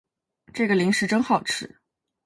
这个零食真好吃